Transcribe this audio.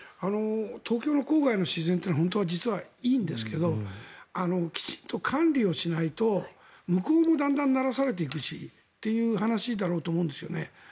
東京の郊外の自然って実はいいんですがきちんと管理をしないと向こうもだんだんならされていくしという話だと思うんです。